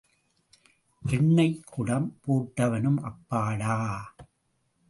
எண்ணெய்க் குடம் போட்டவனும் அப்பாடா.